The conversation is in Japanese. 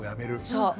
そう。